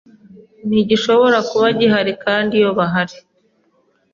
ntigishobora kuba gihari kandi iyo bahari